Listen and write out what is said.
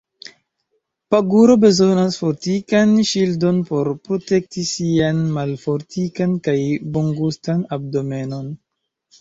Paguro bezonas fortikan ŝildon por protekti sian malfortikan kaj bongustan abdomenon.